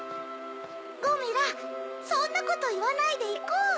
ゴミラそんなこといわないでいこう！